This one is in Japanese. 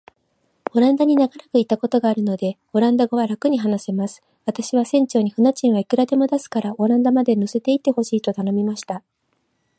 オランダに長らくいたことがあるので、オランダ語はらくに話せます。私は船長に、船賃はいくらでも出すから、オランダまで乗せて行ってほしいと頼みました。